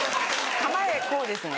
構えこうですね。